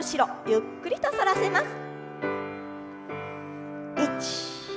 ゆっくりと反らせます。